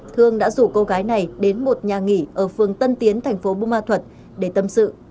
thương đã rủ cô gái này đến một nhà nghỉ ở phương tân tiến thành phố bumma thuật để tâm sự